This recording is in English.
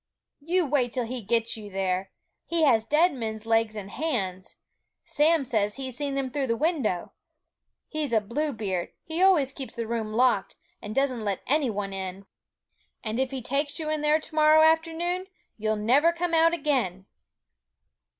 'You wait till he gets you there! He has dead men's legs and hands. Sam says he's seen them through the window! He's a Bluebeard; he always keeps the room locked, and doesn't let any one in. And if he takes you in there to morrow afternoon, you'll never come out again!'